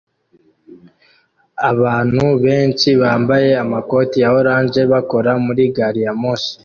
Abantu benshi bambaye amakoti ya orange bakora muri gari ya moshi